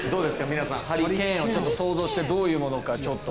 皆さんハリケーンをちょっと想像してどういうものかちょっと。